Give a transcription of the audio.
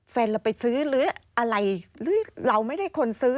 แฟนเราไปซื้อหรืออะไรหรือเราไม่ได้คนซื้อ